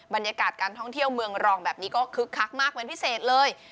บรรยากาศการท่องเที่ยวเมืองรองแบบนี้ก็คึกคักมากเป็นพิเศษเลย